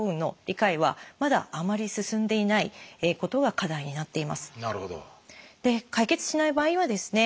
解決しない場合はですね